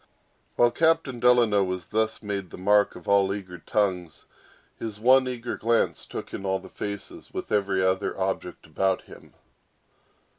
While Captain Delano was thus made the mark of all eager tongues, his one eager glance took in all faces, with every other object about him.